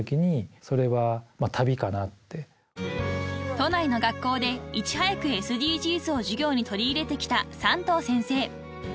［都内の学校でいち早くＳＤＧｓを授業に取り入れてきた山藤先生］